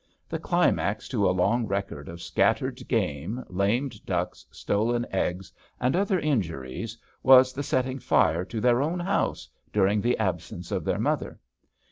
The climax to a long record of scattered game, lamed ducks, stolen eggs, and other injuries was the setting fire to their own house, during the absence of their mother.